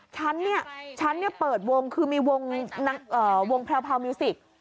ฉันเนี่ยฉันเนี่ยเปิดวงคือมีวงแพรวมิวสิก